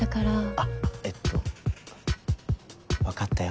あっえっと分かったよ